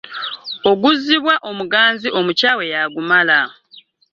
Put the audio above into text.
Oguzzibwa оmugaпzі оmukyawe y'agumala.